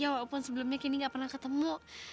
ya walaupun sebelumnya kendi gak pernah ketemu